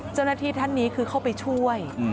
เจ้าหน้าที่ท่านนี้คือเข้าไปช่วย